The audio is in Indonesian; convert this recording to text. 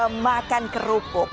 lomba makan kerupuk